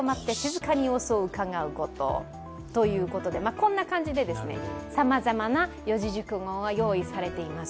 こんな感じでさまざまな四字熟語が用意されています。